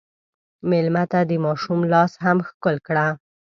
مېلمه ته د ماشوم لاس هم ښکل کړه.